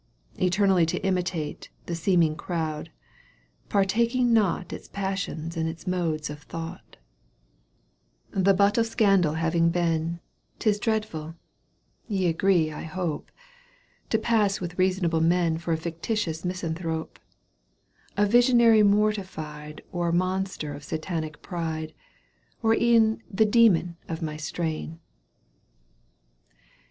Eternally to imitate The seemly crowd, partaking nought Its passions and its modes of thought. Digitized by CjOOQ 1С ^7 / EUGENE ONEGUINE. XIL CANTO Vnb The butt of scandal having been, 'Tis dreadful — ^ye agree, I hope — To pass with reasonable men Ч For a fictitious misanthrope, A visionary mortifiedy Or monster of Satanic pride, Or e'en the "Demon" of my strain.